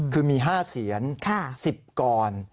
คือมี๕เสียน๑๐กร